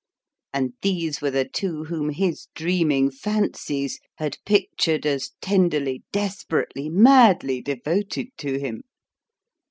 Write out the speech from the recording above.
And these were the two whom his dreaming fancies had pictured as tenderly, desperately, madly devoted to him